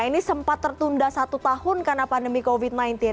ini sempat tertunda satu tahun karena pandemi covid sembilan belas